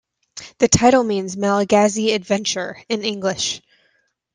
The title means "Malagasy Adventure" in English.